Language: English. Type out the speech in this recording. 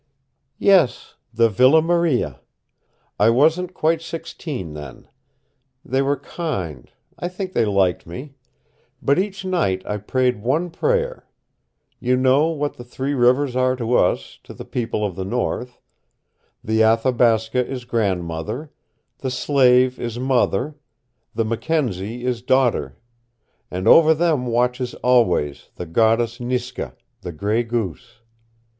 "Yes, the Villa Maria. I wasn't quite sixteen then. They were kind. I think they liked me. But each night I prayed one prayer. You know what the Three Rivers are to us, to the people of the North. The Athabasca is Grandmother, the Slave is Mother, the Mackenzie is Daughter, and over them watches always the goddess Niska, the Gray Goose.